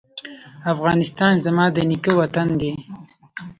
افغانستان زما د نیکه وطن دی؟